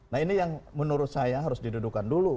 nah ini yang menurut saya harus didudukan dulu